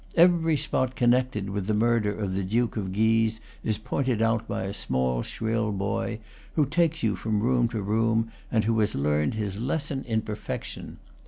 Every spot connected with the murder of the Duke of Guise is pointed out by a small, shrill boy, who takes you from room to room, and who has learned his lesson in perfection.